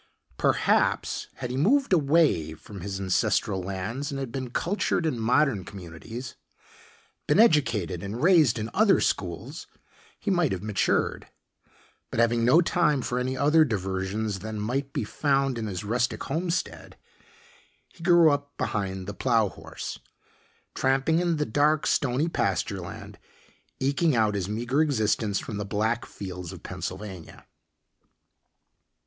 Perhaps, had he moved away from his ancestral lands and had been cultured in modern communities, been educated and raised in other schools, he might have matured. But having no time for any other diversions than might be found on his rustic homestead, he grew up behind the plow horse, tramping in the dark, stony pasture land, eking out his meager existence from the black fields of Pennsylvania.